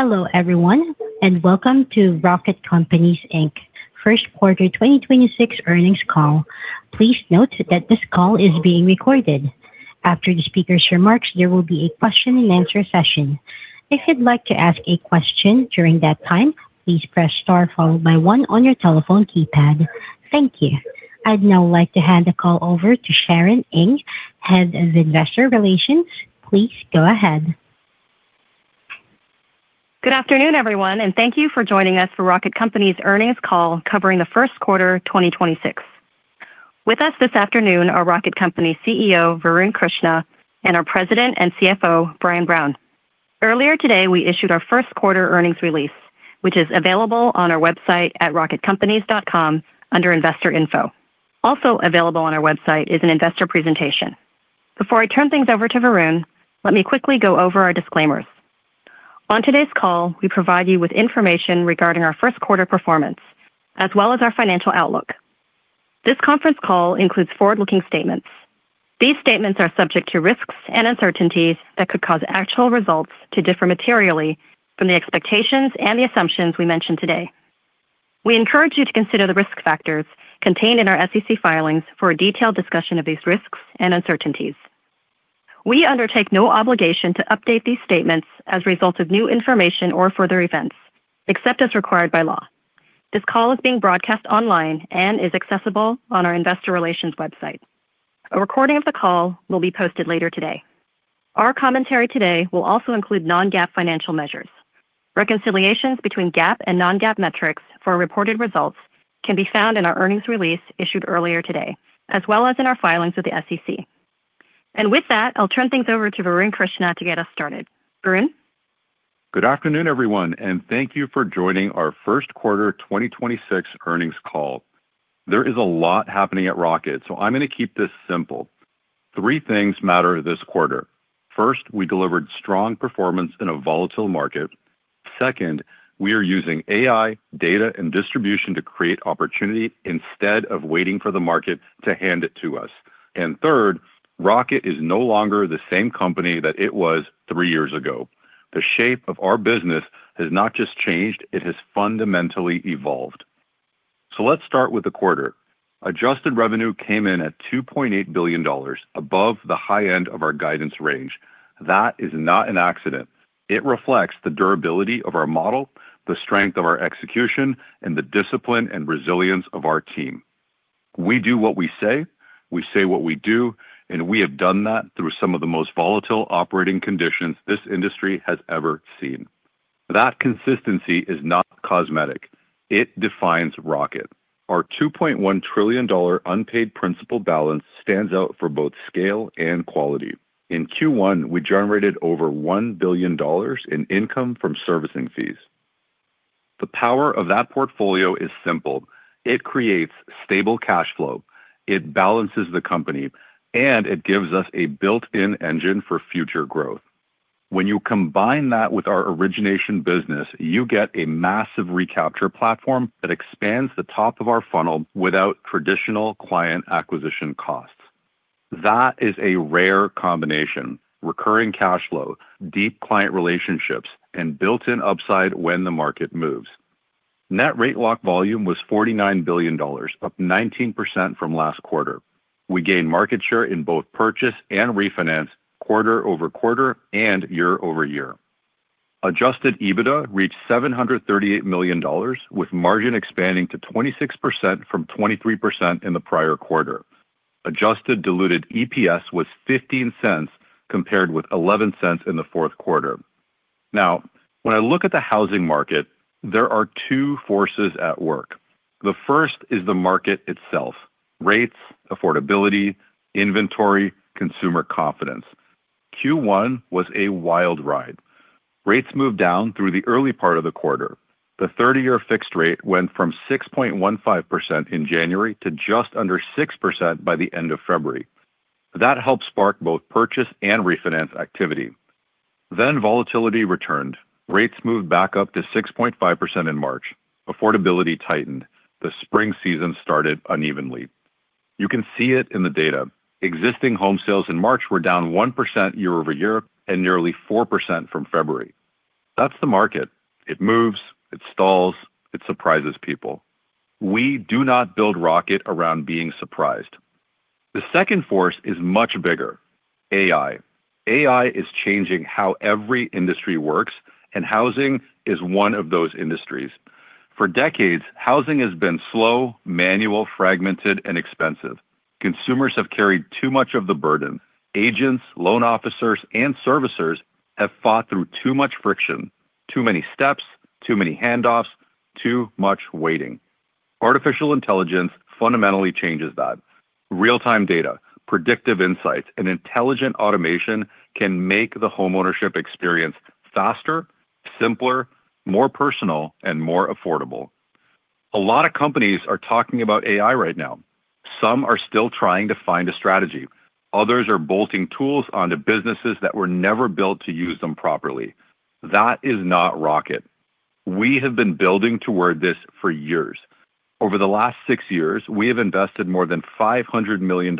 Hello everyone, and welcome to Rocket Companies, Inc. first quarter 2026 earnings call. Please note that this call is being recorded. After the speaker's remarks, there will be a question and answer session. If you'd like to ask a question during that time, please press star followed by one on your telephone keypad. Thank you. I'd now like to hand the call over to Sharon Ng, Head of Investor Relations. Please go ahead. Good afternoon, everyone, and thank you for joining us for Rocket Companies' earnings call covering the first quarter 2026. With us this afternoon are Rocket Companies CEO Varun Krishna and our President and CFO, Brian Brown. Earlier today, we issued our first quarter earnings release, which is available on our website at rocketcompanies.com under Investor Info. Also available on our website is an investor presentation. Before I turn things over to Varun, let me quickly go over our disclaimers. On today's call, we provide you with information regarding our first quarter performance, as well as our financial outlook. This conference call includes forward-looking statements. These statements are subject to risks and uncertainties that could cause actual results to differ materially from the expectations and the assumptions we mention today. We encourage you to consider the risk factors contained in our SEC filings for a detailed discussion of these risks and uncertainties. We undertake no obligation to update these statements as a result of new information or further events, except as required by law. This call is being broadcast online and is accessible on our investor relations website. A recording of the call will be posted later today. Our commentary today will also include non-GAAP financial measures. Reconciliations between GAAP and non-GAAP metrics for reported results can be found in our earnings release issued earlier today, as well as in our filings with the SEC. With that, I'll turn things over to Varun Krishna to get us started. Varun. Good afternoon, everyone, and thank you for joining our first quarter 2026 earnings call. There is a lot happening at Rocket, so I'm gonna keep this simple. Three things matter this quarter. First, we delivered strong performance in a volatile market. Second, we are using AI, data, and distribution to create opportunity instead of waiting for the market to hand it to us. And third, Rocket is no longer the same company that it was three years ago. The shape of our business has not just changed, it has fundamentally evolved. So let's start with the quarter. Adjusted revenue came in at $2.8 billion, above the high end of our guidance range. That is not an accident. It reflects the durability of our model, the strength of our execution, and the discipline and resilience of our team. We do what we say, we say what we do, and we have done that through some of the most volatile operating conditions this industry has ever seen. That consistency is not cosmetic. It defines Rocket. Our $2.1 trillion unpaid principal balance stands out for both scale and quality. In Q1, we generated over $1 billion in income from servicing fees. The power of that portfolio is simple. It creates stable cash flow, it balances the company, and it gives us a built-in engine for future growth. When you combine that with our origination business, you get a massive recapture platform that expands the top of our funnel without traditional client acquisition costs. That is a rare combination. Recurring cash flow, deep client relationships, and built-in upside when the market moves. Net rate lock volume was $49 billion, up 19% from last quarter. We gained market share in both purchase and refinance quarter-over-quarter and year-over-year. Adjusted EBITDA reached $738 million, with margin expanding to 26% from 23% in the prior quarter. Adjusted diluted EPS was $0.15 compared with $0.11 in the fourth quarter. Now, when I look at the housing market, there are two forces at work. The first is the market itself, rates, affordability, inventory, consumer confidence. Q1 was a wild ride. Rates moved down through the early part of the quarter. The 30-year fixed rate went from 6.15% in January to just under 6% by the end of February. That helped spark both purchase and refinance activity. Then volatility returned. Rates moved back up to 6.5% in March. Affordability tightened. The spring season started unevenly. You can see it in the data. Existing home sales in March were down 1% year-over-year and nearly 4% from February. That's the market. It moves, it stalls, it surprises people. We do not build Rocket around being surprised. The second force is much bigger, AI. AI is changing how every industry works. And housing is one of those industries. For decades, housing has been slow, manual, fragmented, and expensive. Consumers have carried too much of the burden. Agents, loan officers, and servicers have fought through too much friction, too many steps, too many handoffs, too much waiting. Artificial intelligence fundamentally changes that. Real-time data, predictive insights, and intelligent automation can make the homeownership experience faster, simpler, more personal, and more affordable. A lot of companies are talking about AI right now. Some are still trying to find a strategy. Others are bolting tools onto businesses that were never built to use them properly. That is not Rocket. We have been building toward this for years. Over the last six years, we have invested more than $500 million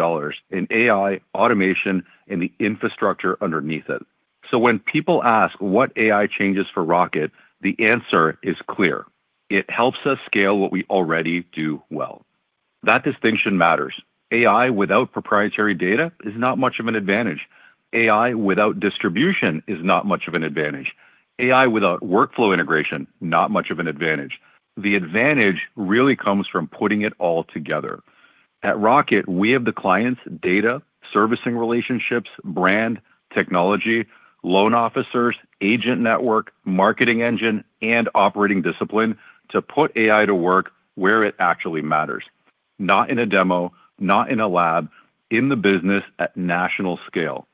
in AI, automation, and the infrastructure underneath it. So when people ask what AI changes for Rocket, the answer is clear. It helps us scale what we already do well. That distinction matters. AI without proprietary data is not much of an advantage. AI without distribution is not much of an advantage. AI without workflow integration, not much of an advantage. The advantage really comes from putting it all together. At Rocket, we have the clients, data, servicing relationships, brand, technology, loan officers, agent network, marketing engine, and operating discipline to put AI to work where it actually matters. Not in a demo, not in a lab, in the business at national scale.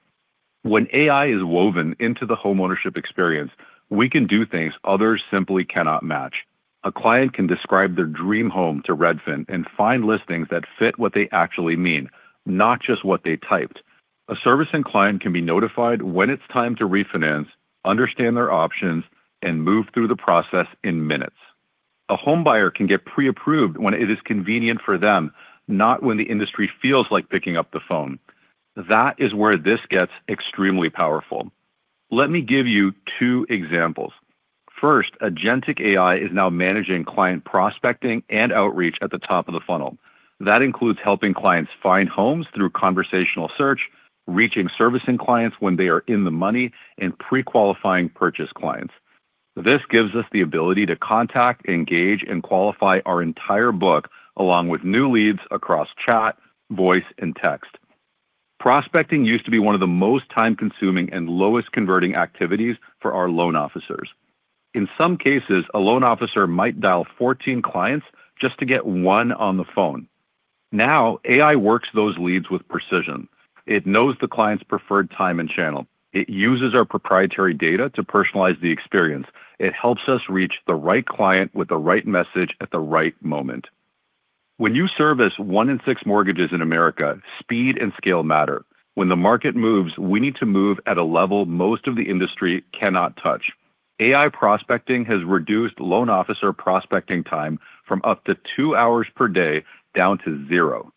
When AI is woven into the home ownership experience, we can do things others simply cannot match. A client can describe their dream home to Redfin and find listings that fit what they actually mean, not just what they typed. A servicing client can be notified when it's time to refinance, understand their options, and move through the process in minutes. A home buyer can get pre-approved when it is convenient for them, not when the industry feels like picking up the phone. That is where this gets extremely powerful. Let me give you two examples. First, agentic AI is now managing client prospecting and outreach at the top of the funnel. That includes helping clients find homes through conversational search, reaching servicing clients when they are in the money, and pre-qualifying purchase clients. This gives us the ability to contact, engage, and qualify our entire book along with new leads across chat, voice, and text. Prospecting used to be one of the most time-consuming and lowest converting activities for our loan officers. In some cases, a loan officer might dial 14 clients just to get one on the phone. Now, AI works those leads with precision. It knows the client's preferred time and channel. It uses our proprietary data to personalize the experience. It helps us reach the right client with the right message at the right moment. When you service one in six mortgages in America, speed and scale matter. When the market moves, we need to move at a level most of the industry cannot touch. AI prospecting has reduced loan officer prospecting time from up to two hours per day down to zero.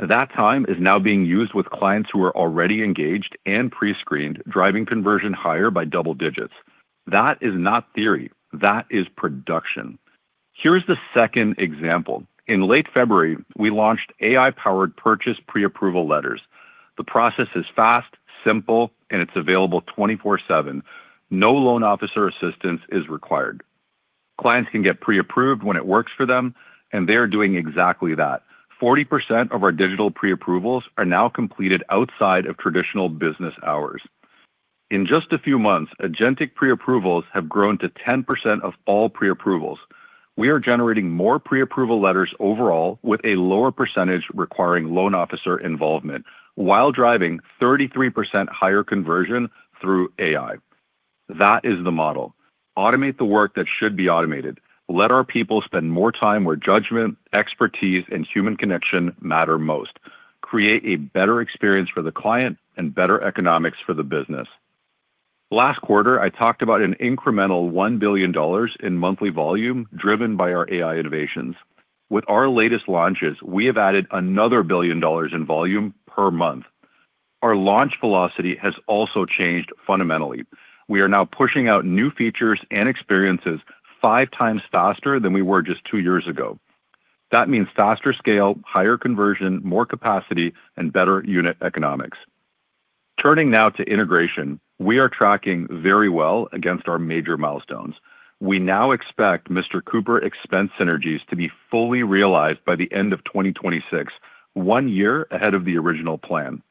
That time is now being used with clients who are already engaged and pre-screened, driving conversion higher by double digits. That is not theory. That is production. Here is the second example. In late February, we launched AI-powered purchase pre-approval letters. The process is fast, simple, and it's available 24/7. No loan officer assistance is required. Clients can get pre-approved when it works for them, and they are doing exactly that. 40% of our digital pre-approvals are now completed outside of traditional business hours. In just a few months, agentic pre-approvals have grown to 10% of all pre-approvals. We are generating more pre-approval letters overall with a lower percentage requiring loan officer involvement while driving 33% higher conversion through AI. That is the model. Automate the work that should be automated. Let our people spend more time where judgment, expertise, and human connection matter most. Create a better experience for the client and better economics for the business. Last quarter, I talked about an incremental $1 billion in monthly volume driven by our AI innovations. With our latest launches, we have added another $1 billion in volume per month. Our launch velocity has also changed fundamentally. We are now pushing out new features and experiences five times faster than we were just two years ago. That means faster scale, higher conversion, more capacity, and better unit economics. Turning now to integration, we are tracking very well against our major milestones. We now expect Mr. Cooper expense synergies to be fully realized by the end of 2026, one year ahead of the original plan.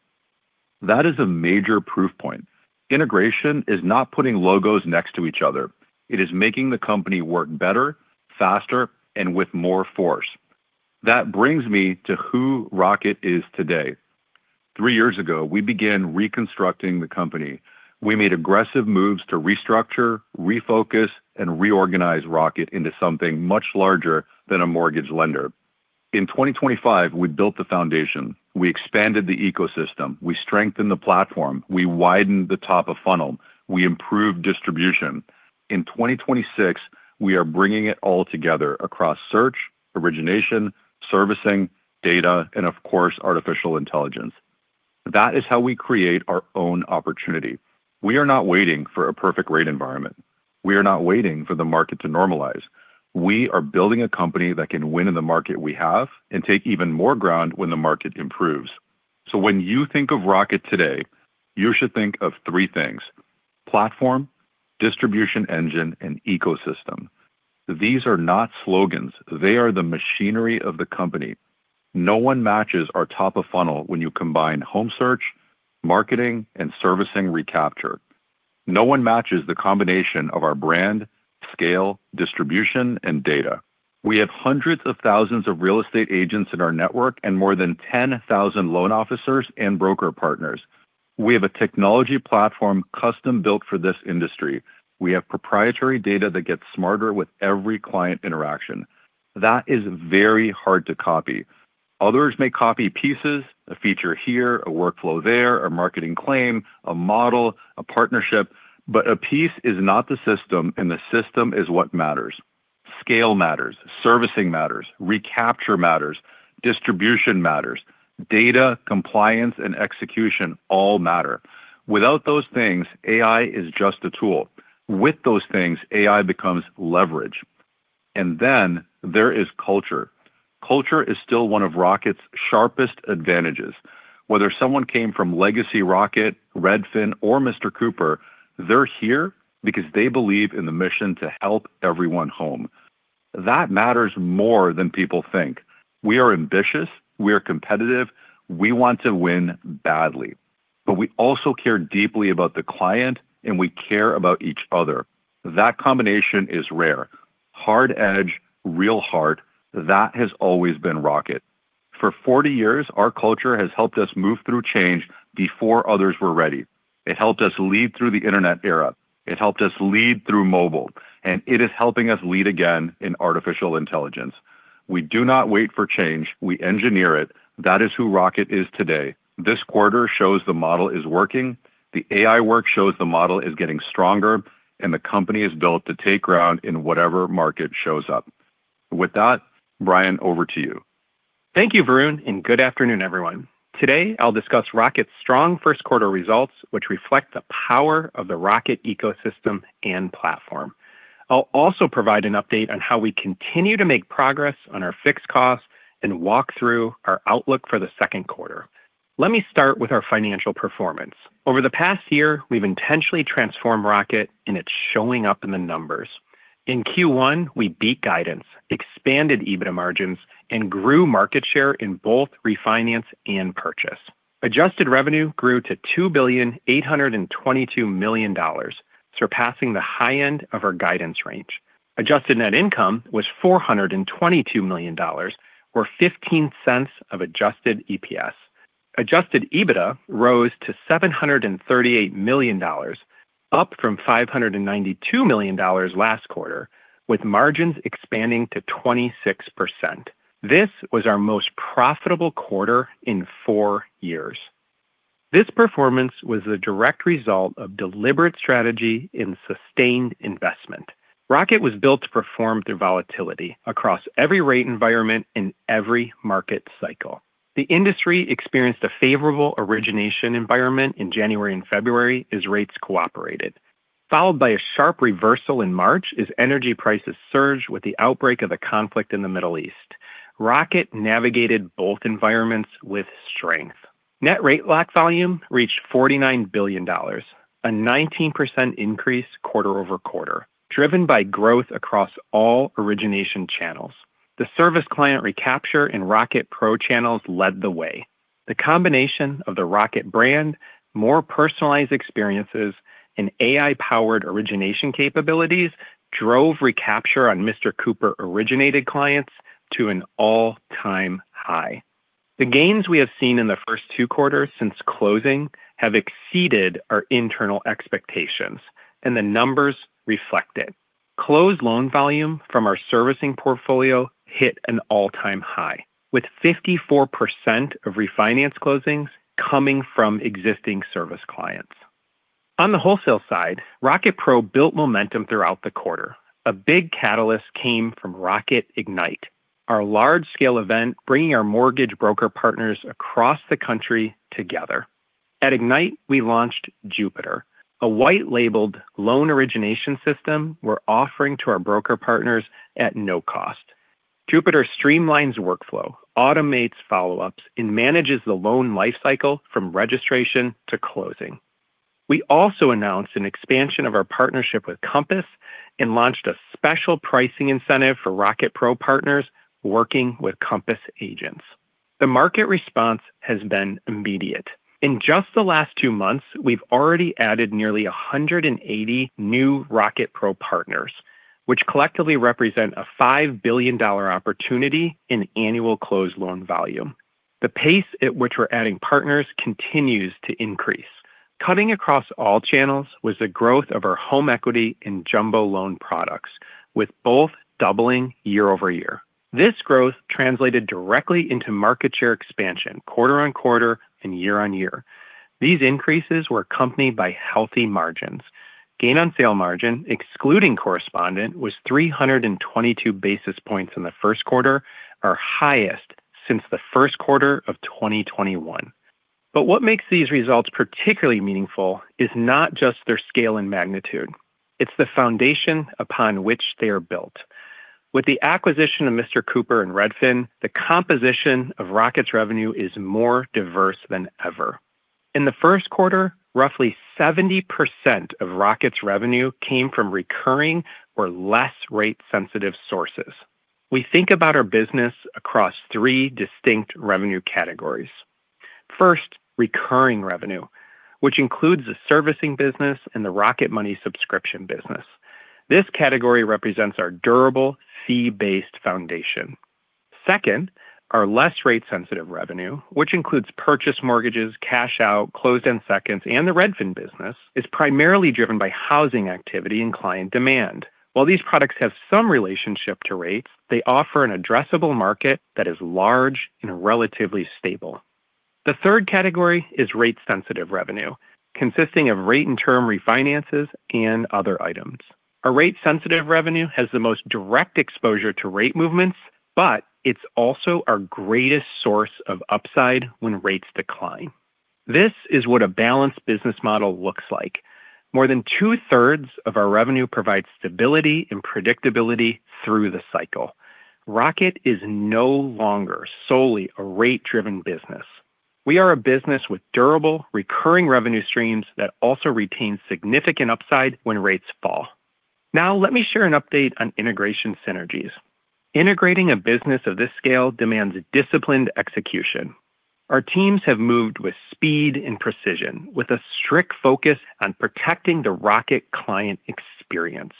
That is a major proof point. Integration is not putting logos next to each other. It is making the company work better, faster, and with more force. That brings me to who Rocket is today. Three years ago, we began reconstructing the company. We made aggressive moves to restructure, refocus, and reorganize Rocket into something much larger than a mortgage lender. In 2025, we built the foundation. We expanded the ecosystem. We strengthened the platform. We widened the top of funnel. We improved distribution. In 2026, we are bringing it all together across search, origination, servicing, data, and of course, artificial intelligence. That is how we create our own opportunity. We are not waiting for a perfect rate environment. We are not waiting for the market to normalize. We are building a company that can win in the market we have and take even more ground when the market improves. When you think of Rocket today, you should think of three things. Platform, distribution engine, and ecosystem. These are not slogans. They are the machinery of the company. No one matches our top of funnel when you combine home search, marketing, and servicing recapture. No one matches the combination of our brand, scale, distribution, and data. We have hundreds of thousands of real estate agents in our network and more than 10,000 loan officers and broker partners. We have a technology platform custom-built for this industry. We have proprietary data that gets smarter with every client interaction. That is very hard to copy. Others may copy pieces, a feature here, a workflow there, a marketing claim, a model, a partnership. But a piece is not the system, and the system is what matters. Scale matters. Servicing matters. Recapture matters. Distribution matters. Data, compliance, and execution all matter. Without those things, AI is just a tool. With those things, AI becomes leverage. And then there is culture. Culture is still one of Rocket's sharpest advantages. Whether someone came from Legacy Rocket, Redfin, or Mr. Cooper, they're here because they believe in the mission to help everyone home. That matters more than people think. We are ambitious. We are competitive. We want to win badly. But we also care deeply about the client, and we care about each other. That combination is rare. Hard edge, real heart, that has always been Rocket. For 40 years, our culture has helped us move through change before others were ready. It helped us lead through the internet era. It helped us lead through mobile. It is helping us lead again in artificial intelligence. We do not wait for change. We engineer it. That is who Rocket is today. This quarter shows the model is working. The AI work shows the model is getting stronger, and the company is built to take ground in whatever market shows up. With that, Brian, over to you. Thank you, Varun, and good afternoon, everyone. Today, I'll discuss Rocket's strong first quarter results, which reflect the power of the Rocket ecosystem and platform. I'll also provide an update on how we continue to make progress on our fixed costs and walk through our outlook for the second quarter. Let me start with our financial performance. Over the past year, we've intentionally transformed Rocket, and it's showing up in the numbers. In Q1, we beat guidance, expanded EBITDA margins, and grew market share in both refinance and purchase. Adjusted revenue grew to $2.822 billion surpassing the high end of our guidance range. Adjusted net income was $422 million, or $0.15 of adjusted EPS. Adjusted EBITDA rose to $738 million, up from $592 million last quarter, with margins expanding to 26%. This was our most profitable quarter in four years. This performance was the direct result of deliberate strategy and sustained investment. Rocket was built to perform through volatility across every rate environment and every market cycle. The industry experienced a favorable origination environment in January and February as rates cooperated, followed by a sharp reversal in March as energy prices surged with the outbreak of the conflict in the Middle East. Rocket navigated both environments with strength. Net rate lock volume reached $49 billion, a 19% increase quarter-over-quarter, driven by growth across all origination channels. The service client recapture and Rocket Pro channels led the way. The combination of the Rocket brand, more personalized experiences, and AI-powered origination capabilities drove recapture on Mr. Cooper-originated clients to an all-time high. The gains we have seen in the first two quarters since closing have exceeded our internal expectations, and the numbers reflect it. Closed loan volume from our servicing portfolio hit an all-time high, with 54% of refinance closings coming from existing service clients. On the wholesale side, Rocket Pro built momentum throughout the quarter. A big catalyst came from Rocket Ignite, our large-scale event bringing our mortgage broker partners across the country together. At Ignite, we launched Jupiter, a white-labeled loan origination system we're offering to our broker partners at no cost. Jupiter streamlines workflow, automates follow-ups, and manages the loan lifecycle from registration to closing. We also announced an expansion of our partnership with Compass and launched a special pricing incentive for Rocket Pro partners working with Compass agents. The market response has been immediate. In just the last two months, we've already added nearly 180 new Rocket Pro partners, which collectively represent a $5 billion opportunity in annual closed loan volume. The pace at which we're adding partners continues to increase. Cutting across all channels was the growth of our home equity and jumbo loan products, with both doubling year over year. This growth translated directly into market share expansion quarter-on-quarter and year-on-year. These increases were accompanied by healthy margins. Gain on sale margin, excluding correspondent, was 322 basis points in the first quarter, our highest since the first quarter of 2021. But what makes these results particularly meaningful is not just their scale and magnitude. It's the foundation upon which they are built. With the acquisition of Mr. Cooper and Redfin, the composition of Rocket's revenue is more diverse than ever. In the first quarter, roughly 70% of Rocket's revenue came from recurring or less rate-sensitive sources. We think about our business across three distinct revenue categories. First, recurring revenue, which includes the servicing business and the Rocket Money subscription business. This category represents our durable, fee-based foundation. Second, our less rate-sensitive revenue, which includes purchase mortgages, cash-out, closed-end seconds, and the Redfin business, is primarily driven by housing activity and client demand. While these products have some relationship to rates, they offer an addressable market that is large and relatively stable. The third category is rate-sensitive revenue, consisting of rate and term refinances and other items. Our rate-sensitive revenue has the most direct exposure to rate movements, but it's also our greatest source of upside when rates decline. This is what a balanced business model looks like. More than 2/3 of our revenue provides stability and predictability through the cycle. Rocket is no longer solely a rate-driven business. We are a business with durable, recurring revenue streams that also retain significant upside when rates fall. Now let me share an update on integration synergies. Integrating a business of this scale demands disciplined execution. Our teams have moved with speed and precision, with a strict focus on protecting the Rocket client experience.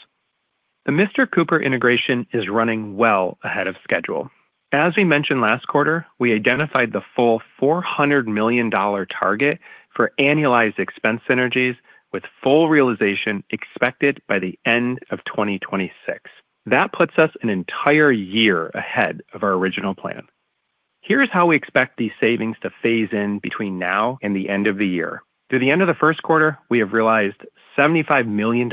The Mr. Cooper integration is running well ahead of schedule. As we mentioned last quarter, we identified the full $400 million target for annualized expense synergies with full realization expected by the end of 2026. That puts us an entire year ahead of our original plan. Here's how we expect these savings to phase in between now and the end of the year. Through the end of the first quarter, we have realized $75 million in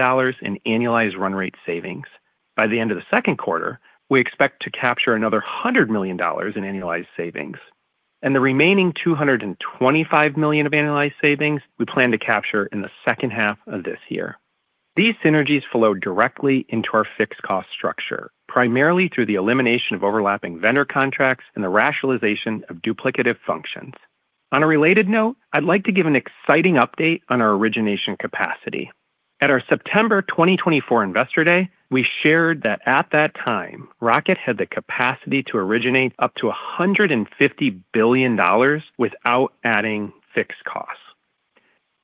annualized run rate savings. By the end of the second quarter, we expect to capture another $100 million in annualized savings. The remaining $225 million of annualized savings we plan to capture in the second half of this year. These synergies flow directly into our fixed cost structure, primarily through the elimination of overlapping vendor contracts and the rationalization of duplicative functions. On a related note, I'd like to give an exciting update on our origination capacity. At our September 2024 Investor Day, we shared that at that time, Rocket had the capacity to originate up to $150 billion without adding fixed costs.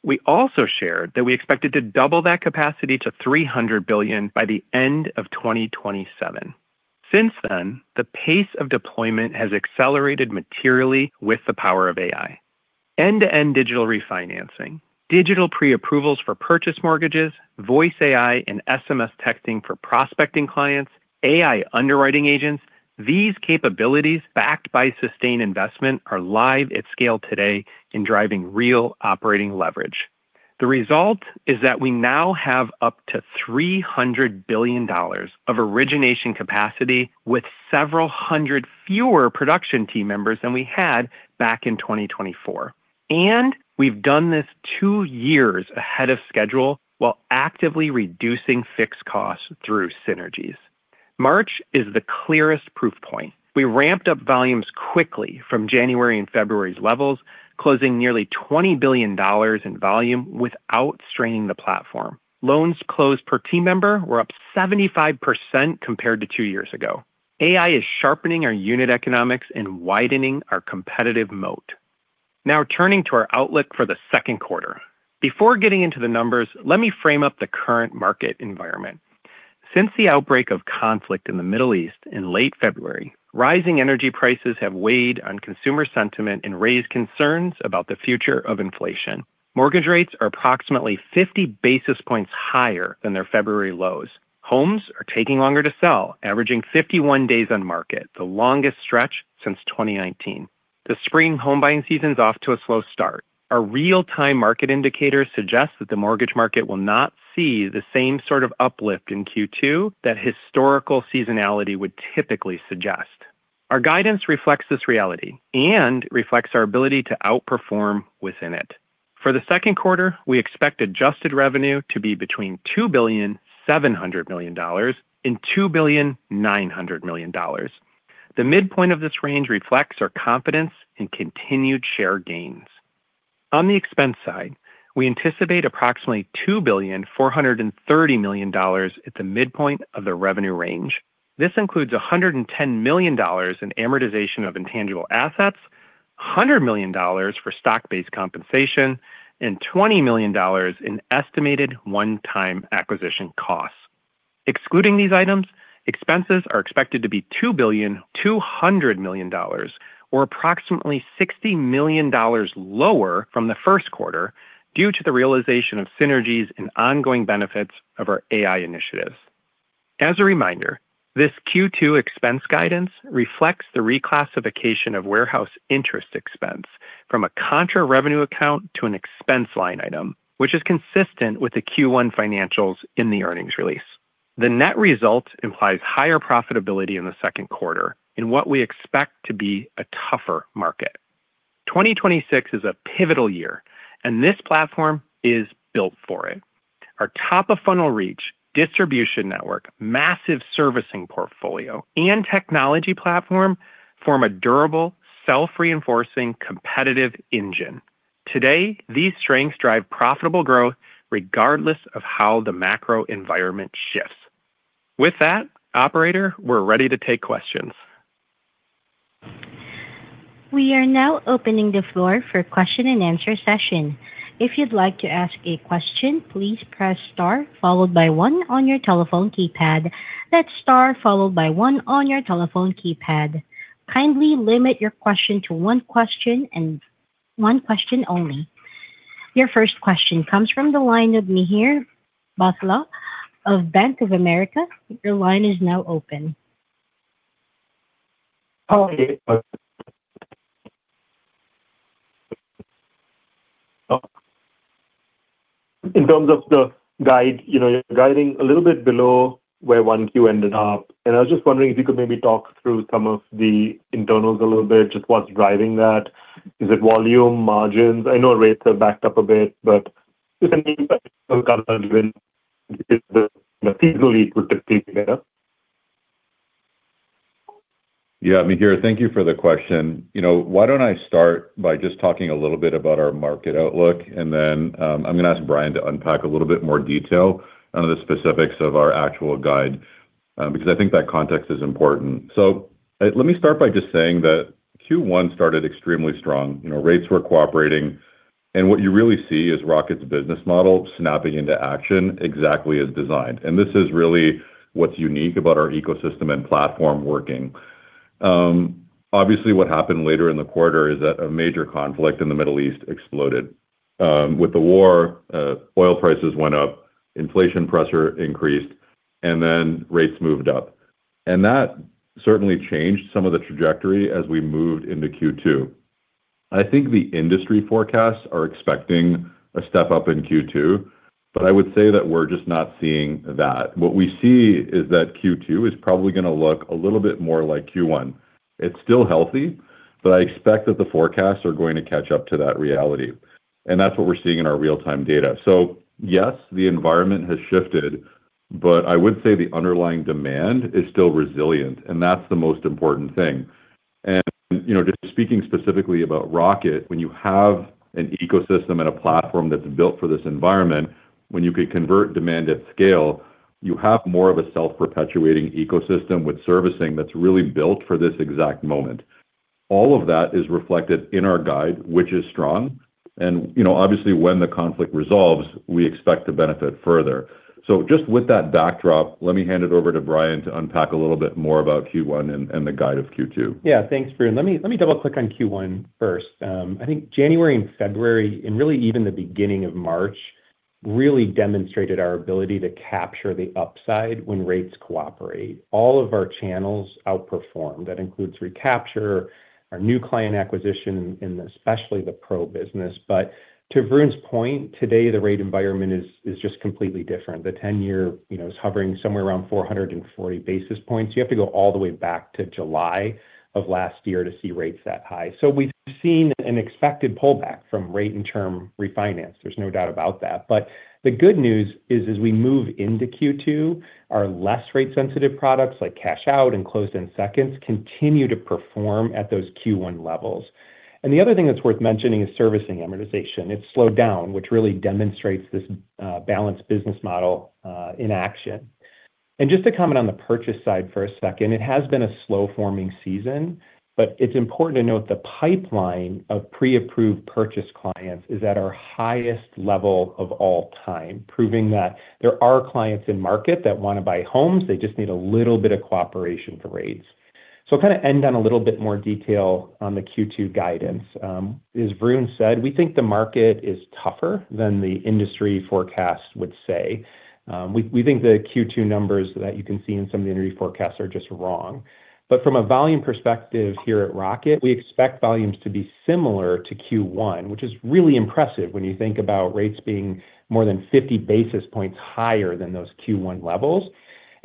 We also shared that we expected to double that capacity to $300 billion by the end of 2027. Since then, the pace of deployment has accelerated materially with the power of AI. End-to-end digital refinancing, digital pre-approvals for purchase mortgages, voice AI and SMS texting for prospecting clients, AI underwriting agents, these capabilities backed by sustained investment are live at scale today in driving real operating leverage. The result is that we now have up to $300 billion of origination capacity with several hundred fewer production team members than we had back in 2024. And we've done this two years ahead of schedule while actively reducing fixed costs through synergies. March is the clearest proof point. We ramped up volumes quickly from January and February's levels, closing nearly $20 billion in volume without straining the platform. Loans closed per team member were up 75% compared to two years ago. AI is sharpening our unit economics and widening our competitive moat. Now turning to our outlook for the second quarter. Before getting into the numbers, let me frame up the current market environment. Since the outbreak of conflict in the Middle East in late February, rising energy prices have weighed on consumer sentiment and raised concerns about the future of inflation. Mortgage rates are approximately 50 basis points higher than their February lows. Homes are taking longer to sell, averaging 51 days on market, the longest stretch since 2019. The spring home buying season's off to a slow start. Our real-time market indicators suggest that the mortgage market will not see the same sort of uplift in Q2 that historical seasonality would typically suggest. Our guidance reflects this reality and reflects our ability to outperform within it. For the second quarter, we expect adjusted revenue to be between $2.7 billion and $2.9 billion. The midpoint of this range reflects our confidence in continued share gains. On the expense side, we anticipate approximately $2.43 billion at the midpoint of the revenue range. This includes $110 million in amortization of intangible assets, $100 million for stock-based compensation, and $20 million in estimated one-time acquisition costs. Excluding these items, expenses are expected to be $2.2 billion, or approximately $60 million lower from the first quarter due to the realization of synergies and ongoing benefits of our AI initiatives. As a reminder, this Q2 expense guidance reflects the reclassification of warehouse interest expense from a contra revenue account to an expense line item, which is consistent with the Q1 financials in the earnings release. The net result implies higher profitability in the second quarter in what we expect to be a tougher market. 2026 is a pivotal year, and this platform is built for it. Our top-of-funnel reach, distribution network, massive servicing portfolio, and technology platform form a durable, self-reinforcing competitive engine. Today, these strengths drive profitable growth regardless of how the macro environment shifts. With that, operator, we're ready to take questions. We are now opening the floor for question-and-answer session. If you'd like to ask a question, please press star followed by one on your telephone keypad. That's star followed by one on your telephone keypad. Kindly limit your question to one question and one question only. Your first question comes from the line of Mihir Bhatia of Bank of America. Your line is now open. How are you? In terms of the guide, you know, you're guiding a little bit below where 1Q ended up. I was just wondering if you could maybe talk through some of the internals a little bit, just what's driving that. Is it volume, margins? I know rates have backed up a bit, but if anything seasonally could just keep it up. Yeah, Mihir, thank you for the question. You know, why don't I start by just talking a little bit about our market outlook, and then I'm gonna ask Brian to unpack a little bit more detail on the specifics of our actual guide, because I think that context is important. Let me start by just saying that Q1 started extremely strong. You know, rates were cooperating. What you really see is Rocket's business model snapping into action exactly as designed. This is really what's unique about our ecosystem and platform working. Obviously, what happened later in the quarter is that a major conflict in the Middle East exploded. With the war, oil prices went up, inflation pressure increased, and then rates moved up. That certainly changed some of the trajectory as we moved into Q2. I think the industry forecasts are expecting a step up in Q2, but I would say that we're just not seeing that. What we see is that Q2 is probably gonna look a little bit more like Q1. It's still healthy, but I expect that the forecasts are going to catch up to that reality. That's what we're seeing in our real-time data. Yes, the environment has shifted, but I would say the underlying demand is still resilient, and that's the most important thing. You know, just speaking specifically about Rocket, when you have an ecosystem and a platform that's built for this environment, when you could convert demand at scale, you have more of a self-perpetuating ecosystem with servicing that's really built for this exact moment. All of that is reflected in our guide, which is strong. You know, obviously, when the conflict resolves, we expect to benefit further. Just with that backdrop, let me hand it over to Brian to unpack a little bit more about Q1 and the guide of Q2. Thanks, Varun. Let me double-click on Q1 first. I think January and February, and really even the beginning of March, really demonstrated our ability to capture the upside when rates cooperate. All of our channels outperformed. That includes recapture, our new client acquisition, and especially the Pro business. To Varun's point, today the rate environment is just completely different. The 10-year, you know, is hovering somewhere around 440 basis points. You have to go all the way back to July of last year to see rates that high. We've seen an expected pullback from rate and term refinance. There's no doubt about that, but the good news is as we move into Q2, our less rate-sensitive products, like Cash Out and closed-end seconds, continue to perform at those Q1 levels. The other thing that's worth mentioning is servicing amortization. It's slowed down, which really demonstrates this balanced business model in action. Just to comment on the purchase side for a second, it has been a slow-forming season, but it's important to note the pipeline of pre-approved purchase clients is at our highest level of all time, proving that there are clients in market that wanna buy homes. They just need a little bit of cooperation for rates. I'll kinda end on a little bit more detail on the Q2 guidance. As Varun said, we think the market is tougher than the industry forecast would say. We think the Q2 numbers that you can see in some of the industry forecasts are just wrong. From a volume perspective here at Rocket, we expect volumes to be similar to Q1, which is really impressive when you think about rates being more than 50 basis points higher than those Q1 levels.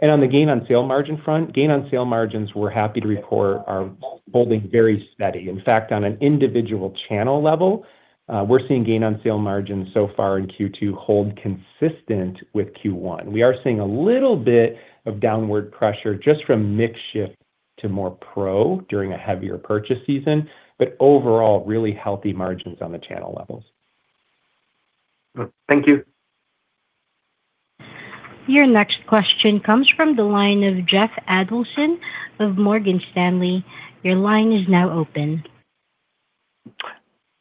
On the gain on sale margin front, gain on sale margins, we're happy to report, are holding very steady. In fact, on an individual channel level, we're seeing gain on sale margins so far in Q2 hold consistent with Q1. We are seeing a little bit of downward pressure just from mix shift to more pro during a heavier purchase season, but overall, really healthy margins on the channel levels. Thank you. Your next question comes from the line of Jeff Adelson of Morgan Stanley. Your line is now open.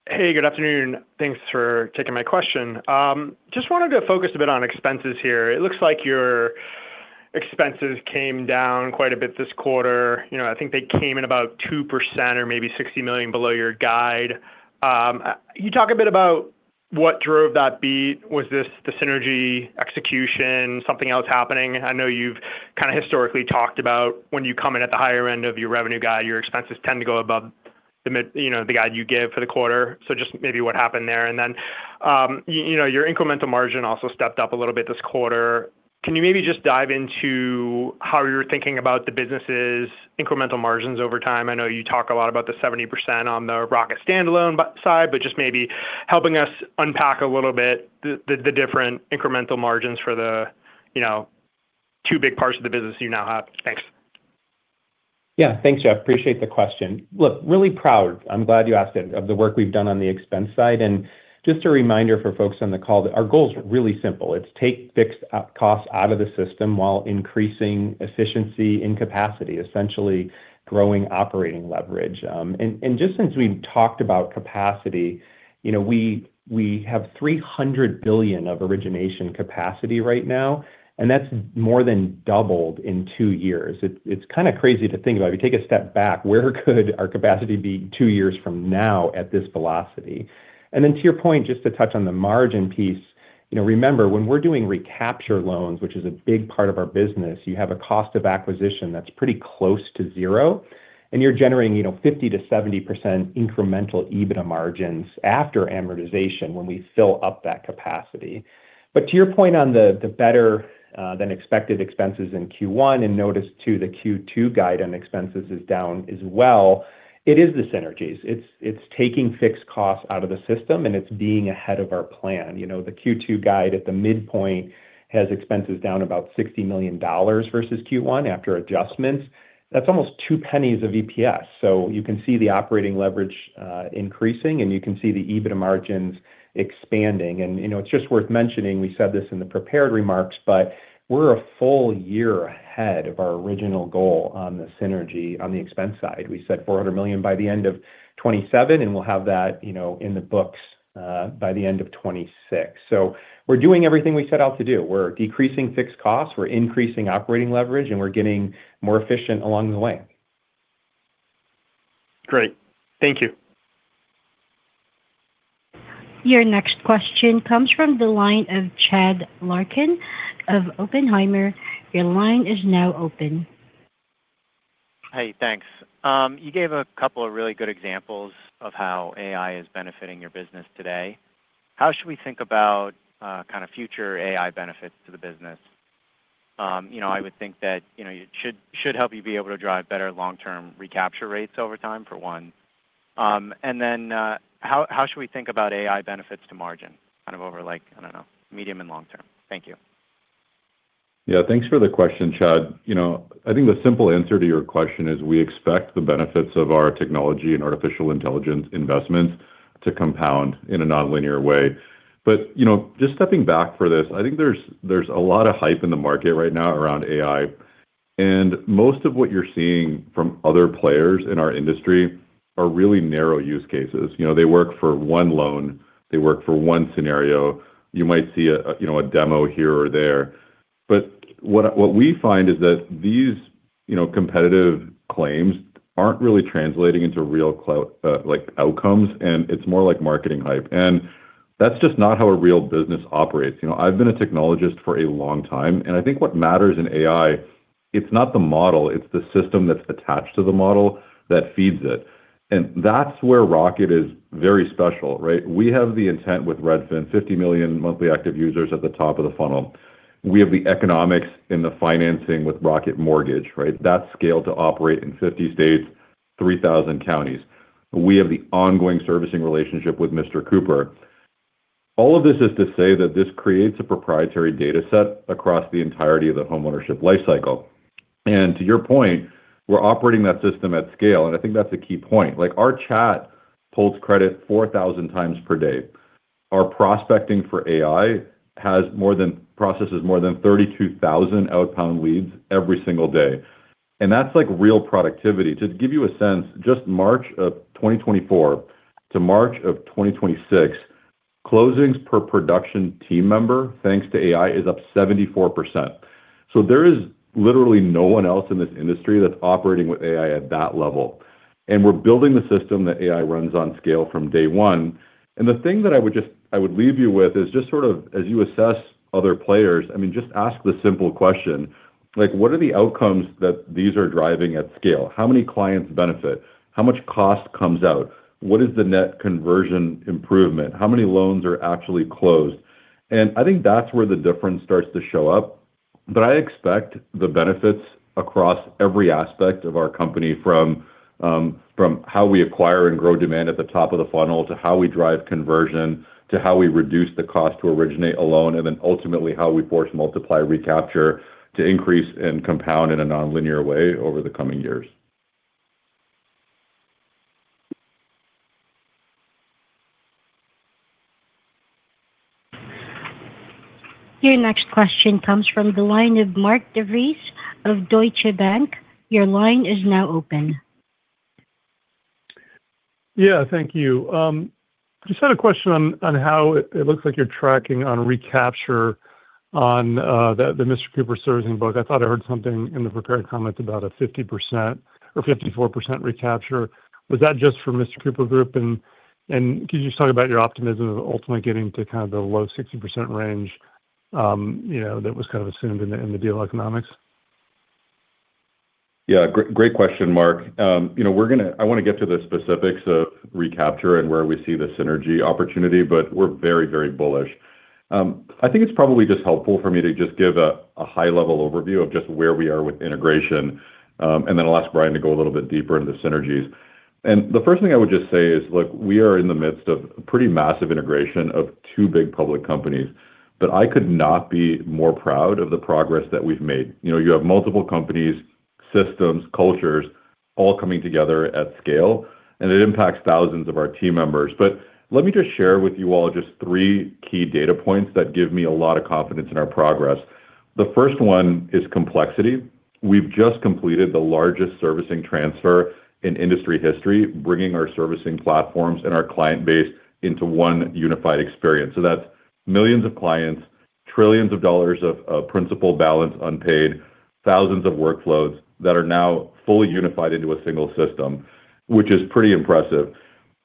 Hey, good afternoon. Thanks for taking my question. Just wanted to focus a bit on expenses here. It looks like your expenses came down quite a bit this quarter. You know, I think they came in about 2% or maybe $60 million below your guide. Can you talk a bit about what drove that beat? Was this the synergy execution, something else happening? I know you've kinda historically talked about when you come in at the higher end of your revenue guide, your expenses tend to go above the you know, the guide you give for the quarter. Just maybe what happened there and then, you know, your incremental margin also stepped up a little bit this quarter. Can you maybe just dive into how you're thinking about the business's incremental margins over time? I know you talk a lot about the 70% on the Rocket standalone side, but just maybe helping us unpack a little bit the different incremental margins for the, you know, two big parts of the business you now have. Thanks. Yeah. Thanks, Jeff. Appreciate the question. Look, really proud, I'm glad you asked it, of the work we've done on the expense side. Just a reminder for folks on the call that our goals are really simple. It's take fixed up costs out of the system while increasing efficiency and capacity, essentially growing operating leverage. Just since we talked about capacity, you know, we have $300 billion of origination capacity right now, and that's more than doubled in two years. It's kinda crazy to think about. If you take a step back, where could our capacity be two years from now at this velocity? Then to your point, just to touch on the margin piece. You know, remember, when we're doing recapture loans, which is a big part of our business, you have a cost of acquisition that's pretty close to zero, and you're generating, you know, 50%-70% incremental EBITDA margins after amortization when we fill up that capacity. To your point on the better than expected expenses in Q1, and notice too, the Q2 guide and expenses is down as well, it is the synergies. It's taking fixed costs out of the system, and it's being ahead of our plan. You know, the Q2 guide at the midpoint has expenses down about $60 million versus Q1 after adjustments. That's almost $0.02 of EPS. You can see the operating leverage increasing, and you can see the EBITDA margins expanding. You know, it's just worth mentioning, we said this in the prepared remarks, but we're a full year ahead of our original goal on the synergy on the expense side. We said $400 million by the end of 2027. We'll have that, you know, in the books by the end of 2026. We're doing everything we set out to do. We're decreasing fixed costs, we're increasing operating leverage, and we're getting more efficient along the way. Great. Thank you. Your next question comes from the line of Chad Larkin of Oppenheimer. Your line is now open. Hey, thanks. You gave a couple of really good examples of how AI is benefiting your business today. How should we think about kinda future AI benefits to the business? You know, I would think that, you know, it should help you be able to drive better long-term recapture rates over time, for one. And then, how should we think about AI benefits to margin, kind of over like, I don't know, medium and long term? Thank you. Yeah, thanks for the question, Chad. You know, I think the simple answer to your question is we expect the benefits of our technology and artificial intelligence investments to compound in a nonlinear way. But just stepping back for this, I think there's a lot of hype in the market right now around AI. Most of what you're seeing from other players in our industry are really narrow use cases. You know, they work for one loan, they work for one scenario. You might see a demo here or there. What we find is that these, you know, competitive claims aren't really translating into real like outcomes, and it's more like marketing hype. That's just not how a real business operates. You know, I've been a technologist for a long time, and I think what matters in AI, it's not the model, it's the system that's attached to the model that feeds it. That's where Rocket is very special, right? We have the intent with Redfin, 50 million monthly active users at the top of the funnel. We have the economics and the financing with Rocket Mortgage, right? That's scaled to operate in 50 states, 3,000 counties. We have the ongoing servicing relationship with Mr. Cooper. All of this is to say that this creates a proprietary data set across the entirety of the homeownership life cycle. To your point, we're operating that system at scale, and I think that's a key point. Like, our chat pulls credit 4,000x per day. Our prospecting for AI processes more than 32,000 outbound leads every single day. That's, like, real productivity. To give you a sense, just March of 2024 to March of 2026, closings per production team member, thanks to AI, is up 74%. There is literally no one else in this industry that's operating with AI at that level. We're building the system that AI runs on scale from day one. The thing that I would leave you with is just sort of, as you assess other players, I mean, just ask the simple question. Like, what are the outcomes that these are driving at scale? How many clients benefit? How much cost comes out? What is the net conversion improvement? How many loans are actually closed? I think that's where the difference starts to show up. I expect the benefits across every aspect of our company from how we acquire and grow demand at the top of the funnel, to how we drive conversion, to how we reduce the cost to originate a loan, and then ultimately how we force multiply recapture to increase and compound in a nonlinear way over the coming years. Your next question comes from the line of Mark DeVries of Deutsche Bank. Your line is now open. Yeah, thank you. Just had a question on how it looks like you're tracking on recapture on the Mr. Cooper servicing book. I thought I heard something in the prepared comments about a 50% or 54% recapture. Was that just for Mr. Cooper Group? Could you just talk about your optimism of ultimately getting to kind of the low 60% range, you know, that was kind of assumed in the deal economics? Yeah, great question, Mark. You know, I wanna get to the specifics of recapture and where we see the synergy opportunity. We're very, very bullish. I think it's probably just helpful for me to just give a high-level overview of just where we are with integration. I'll ask Brian to go a little bit deeper into the synergies. The first thing I would just say is, look, we are in the midst of pretty massive integration of two big public companies. I could not be more proud of the progress that we've made. You know, you have multiple companies, systems, cultures all coming together at scale. It impacts thousands of our team members. Let me just share with you all just three key data points that give me a lot of confidence in our progress. The first one is complexity. We've just completed the largest servicing transfer in industry history, bringing our servicing platforms and our client base into one unified experience. That's millions of clients, trillions of dollars of principal balance unpaid, thousands of workflows that are now fully unified into a single system, which is pretty impressive.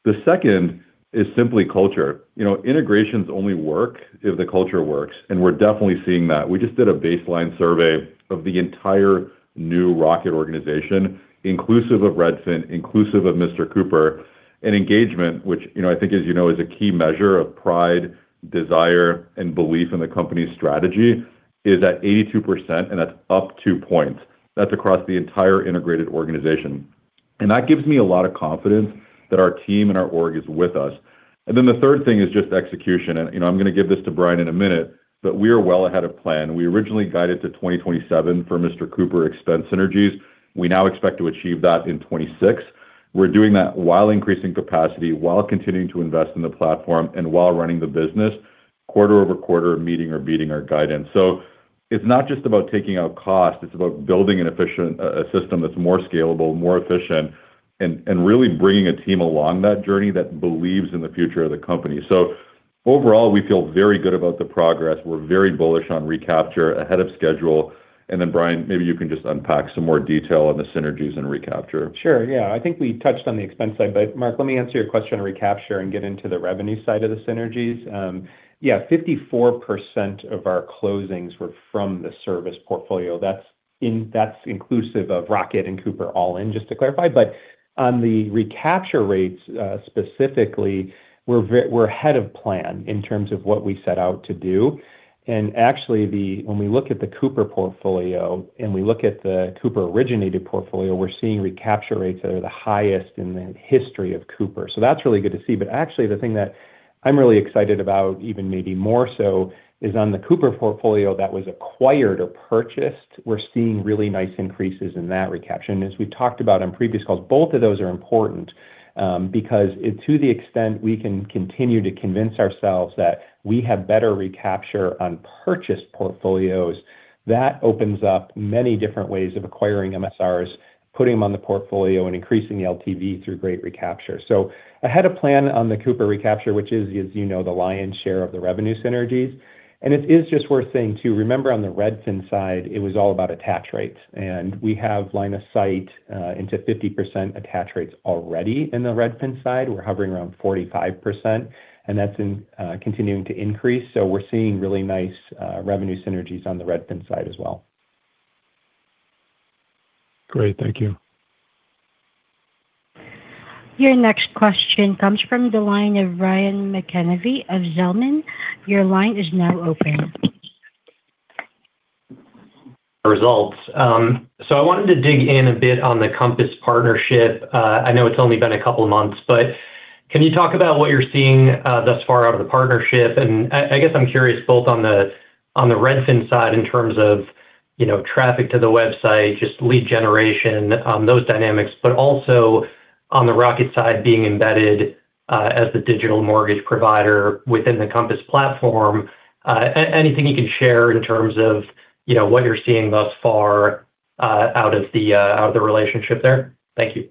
The second is simply culture. You know, integrations only work if the culture works, and we're definitely seeing that. We just did a baseline survey of the entire new Rocket organization, inclusive of Redfin, inclusive of Mr. Cooper, engagement, which, you know, I think as you know is a key measure of pride, desire and belief in the company's strategy, is at 82%, and that's up two points. That's across the entire integrated organization. That gives me a lot of confidence that our team and our org is with us. The third thing is just execution and, you know, I'm gonna give this to Brian in a minute, but we are well ahead of plan. We originally guided to 2027 for Mr. Cooper expense synergies. We now expect to achieve that in 2026. We're doing that while increasing capacity, while continuing to invest in the platform, and while running the business quarter-over-quarter meeting or beating our guidance. It's not just about taking out cost, it's about building an efficient a system that's more scalable, more efficient, and really bringing a team along that journey that believes in the future of the company. Overall, we feel very good about the progress. We're very bullish on recapture, ahead of schedule. Brian, maybe you can just unpack some more detail on the synergies and recapture. Sure, yeah. I think we touched on the expense side, but Mark, let me answer your question on recapture and get into the revenue side of the synergies. Yeah, 54% of our closings were from the service portfolio. That's inclusive of Rocket and Cooper all in, just to clarify. On the recapture rates, specifically, we're ahead of plan in terms of what we set out to do. Actually, when we look at the Cooper portfolio, and we look at the Cooper-originated portfolio, we're seeing recapture rates that are the highest in the history of Cooper. That's really good to see. Actually, the thing that I'm really excited about even maybe more so is on the Cooper portfolio that was acquired or purchased, we're seeing really nice increases in that recapture. As we talked about on previous calls, both of those are important, to the extent we can continue to convince ourselves that we have better recapture on purchased portfolios, that opens up many different ways of acquiring MSRs, putting them on the portfolio, and increasing the LTV through great recapture. Ahead of plan on the Mr. Cooper recapture, which is, as you know, the lion's share of the revenue synergies. It is just worth saying too, remember on the Redfin side, it was all about attach rates, and we have line of sight into 50% attach rates already in the Redfin side. We're hovering around 45%, and that's in continuing to increase. We're seeing really nice revenue synergies on the Redfin side as well. Great. Thank you. Your next question comes from the line of Ryan McKeveny of Zelman. Your line is now open. Results. I wanted to dig in a bit on the Compass partnership. I know it's only been a couple months, but can you talk about what you're seeing thus far out of the partnership? I guess I'm curious both on the Redfin side in terms of, you know, traffic to the website, just lead generation, those dynamics. Also on the Rocket side being embedded as the digital mortgage provider within the Compass platform. Anything you can share in terms of, you know, what you're seeing thus far out of the relationship there? Thank you.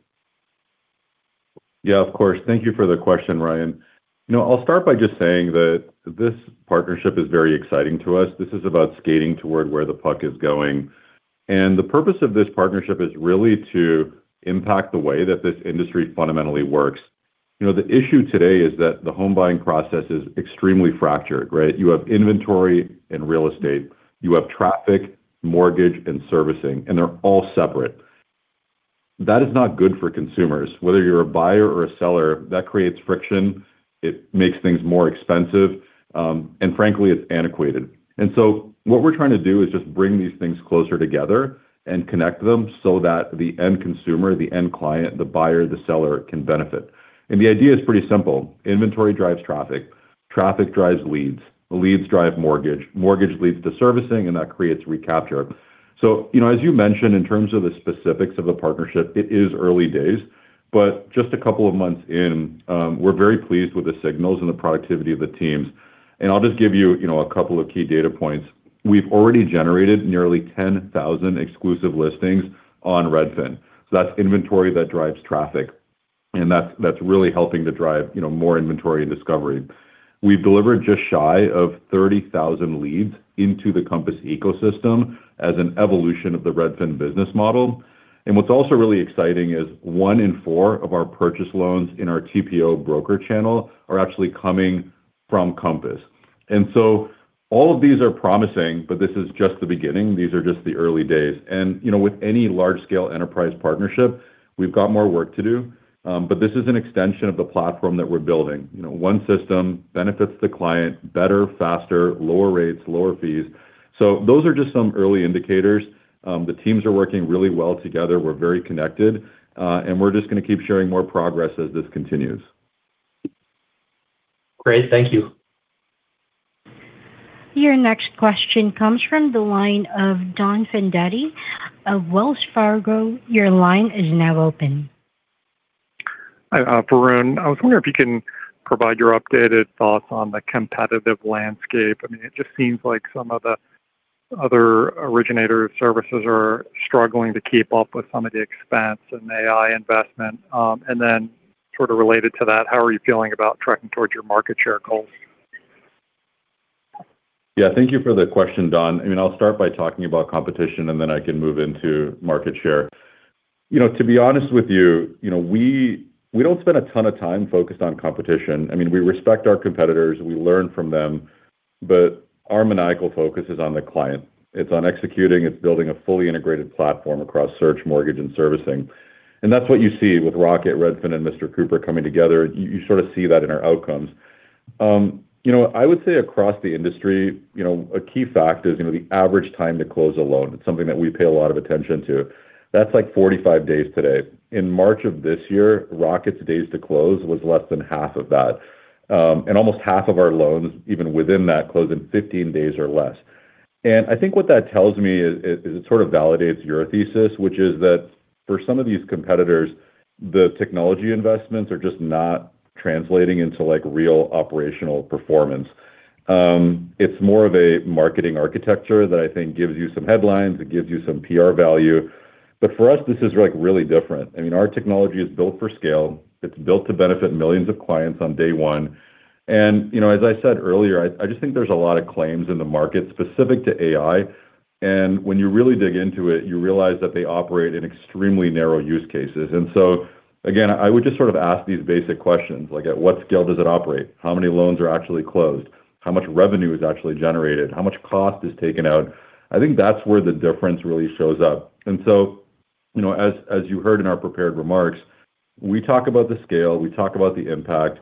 Yeah, of course. Thank you for the question, Ryan. You know, I'll start by just saying that this partnership is very exciting to us. This is about skating toward where the puck is going. The purpose of this partnership is really to impact the way that this industry fundamentally works. You know, the issue today is that the home buying process is extremely fractured, right? You have inventory and real estate. You have traffic, mortgage, and servicing, and they're all separate. That is not good for consumers. Whether you're a buyer or a seller, that creates friction, it makes things more expensive, and frankly, it's antiquated. What we're trying to do is just bring these things closer together and connect them so that the end consumer, the end client, the buyer, the seller can benefit. The idea is pretty simple. Inventory drives traffic. Traffic drives leads. Leads drive mortgage. Mortgage leads to servicing, and that creates recapture. You know, as you mentioned, in terms of the specifics of the partnership, it is early days, but just a couple of months in, we're very pleased with the signals and the productivity of the teams. I'll just give you know, a couple of key data points. We've already generated nearly 10,000 exclusive listings on Redfin. That's inventory that drives traffic, and that's really helping to drive, you know, more inventory and discovery. We've delivered just shy of 30,000 leads into the Compass ecosystem as an evolution of the Redfin business model. What's also really exciting is one in four of our purchase loans in our TPO broker channel are actually coming from Compass. All of these are promising, but this is just the beginning. These are just the early days. You know, with any large scale enterprise partnership, we've got more work to do, but this is an extension of the platform that we're building. You know, one system benefits the client better, faster, lower rates, lower fees. Those are just some early indicators. The teams are working really well together. We're very connected, and we're just gonna keep sharing more progress as this continues. Great. Thank you. Your next question comes from the line of Don Fandetti of Wells Fargo. Your line is now open. Hi, Varun. I was wondering if you can provide your updated thoughts on the competitive landscape. I mean, it just seems like some of the other originators and servicers are struggling to keep up with some of the expense in AI investment. Then sort of related to that, how are you feeling about tracking towards your market share goals? Yeah. Thank you for the question, Don. I mean, I'll start by talking about competition, then I can move into market share. You know, to be honest with you know, we don't spend a ton of time focused on competition. I mean, we respect our competitors, we learn from them, but our maniacal focus is on the client. It's on executing, it's building a fully integrated platform across search, mortgage, and servicing. That's what you see with Rocket, Redfin, and Mr. Cooper coming together. You sort of see that in our outcomes. You know, I would say across the industry, you know, a key factor is, you know, the average time to close a loan. It's something that we pay a lot of attention to. That's like 45 days today. In March of this year, Rocket's days to close was less than half of that. Almost half of our loans, even within that, close in 15 days or less. I think what that tells me is it sort of validates your thesis, which is that for some of these competitors, the technology investments are just not translating into, like, real operational performance. It's more of a marketing architecture that I think gives you some headlines, it gives you some PR value. For us, this is, like, really different. I mean, our technology is built for scale. It's built to benefit millions of clients on day one. You know, as I said earlier, I just think there's a lot of claims in the market specific to AI. When you really dig into it, you realize that they operate in extremely narrow use cases. Again, I would just sort of ask these basic questions like at what scale does it operate? How many loans are actually closed? How much revenue is actually generated? How much cost is taken out? I think that's where the difference really shows up. You know, as you heard in our prepared remarks, we talk about the scale, we talk about the impact.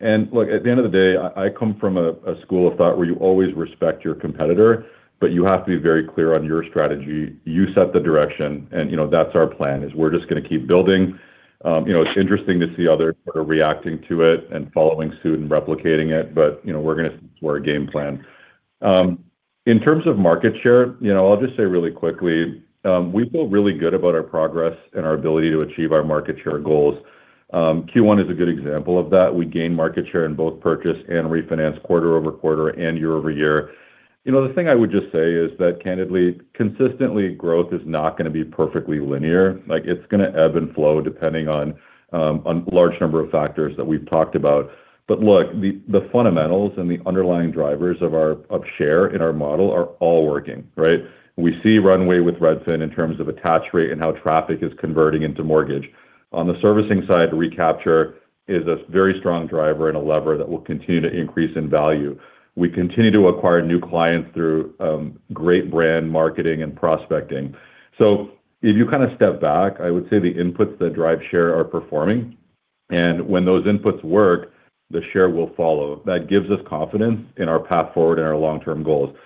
Look, at the end of the day, I come from a school of thought where you always respect your competitor, but you have to be very clear on your strategy. You set the direction and, you know, that's our plan. We're just gonna keep building. You know, it's interesting to see others sort of reacting to it and following suit and replicating it, but, you know, we're gonna stick to our game plan. In terms of market share, you know, I'll just say really quickly, we feel really good about our progress and our ability to achieve our market share goals. Q1 is a good example of that. We gained market share in both purchase and refinance quarter-over-quarter and year-over-year. You know, the thing I would just say is that candidly, consistently growth is not gonna be perfectly linear. Like, it's gonna ebb and flow depending on large number of factors that we've talked about. Look, the fundamentals and the underlying drivers of share in our model are all working, right? We see runway with Redfin in terms of attach rate and how traffic is converting into mortgage. On the servicing side, recapture is a very strong driver and a lever that will continue to increase in value. We continue to acquire new clients through great brand marketing and prospecting. If you kind of step back, I would say the inputs that drive share are performing, and when those inputs work, the share will follow. That gives us confidence in our path forward and our long-term goals.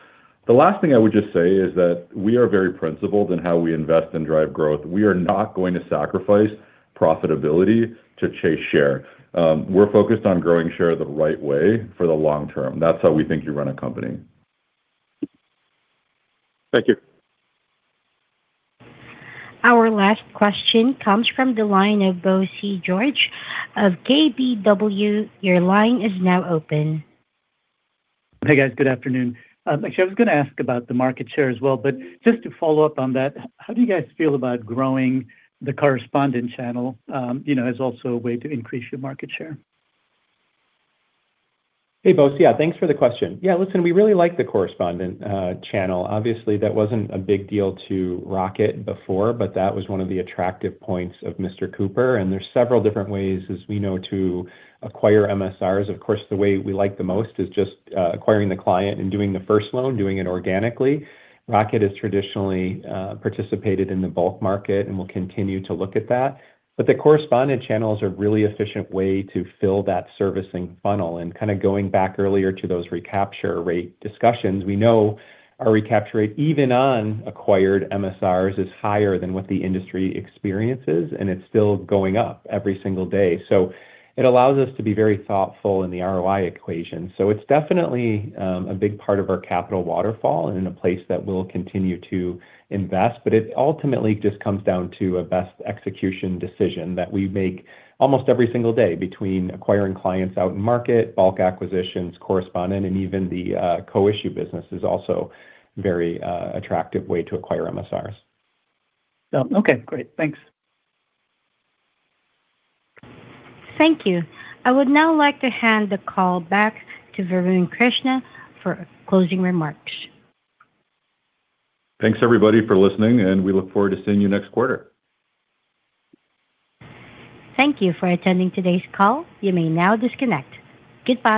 The last thing I would just say is that we are very principled in how we invest and drive growth. We are not going to sacrifice profitability to chase share. We're focused on growing share the right way for the long term. That's how we think you run a company. Thank you. Our last question comes from the line of Bose George of KBW. Your line is now open. Hey, guys. Good afternoon. Actually, I was gonna ask about the market share as well. Just to follow up on that, how do you guys feel about growing the correspondent channel, you know, as also a way to increase your market share? Hey, Bose. Thanks for the question. Listen, we really like the correspondent channel. Obviously, that wasn't a big deal to Rocket before, but that was one of the attractive points of Mr. Cooper. There's several different ways, as we know, to acquire MSRs. Of course, the way we like the most is just acquiring the client and doing the first loan, doing it organically. Rocket has traditionally participated in the bulk market and will continue to look at that. The correspondent channel is a really efficient way to fill that servicing funnel. Going back earlier to those recapture rate discussions, we know our recapture rate, even on acquired MSRs, is higher than what the industry experiences, and it's still going up every single day. It allows us to be very thoughtful in the ROI equation. It's definitely a big part of our capital waterfall and a place that we'll continue to invest. It ultimately just comes down to a best execution decision that we make almost every single day between acquiring clients out in market, bulk acquisitions, correspondent, and even the co-issue business is also very attractive way to acquire MSRs. Oh, okay. Great. Thanks. Thank you. I would now like to hand the call back to Varun Krishna for closing remarks. Thanks everybody for listening, and we look forward to seeing you next quarter. Thank you for attending today's call. You may now disconnect. Goodbye.